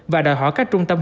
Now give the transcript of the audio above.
và đòi hỏi các trung tâm y tế